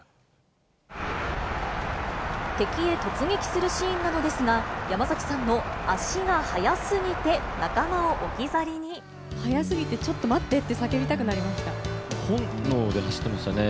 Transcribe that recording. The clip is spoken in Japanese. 敵へ突撃するシーンなのですが、山崎さんの足が速すぎて、速すぎてちょっと待ってって、本能で走ってましたね。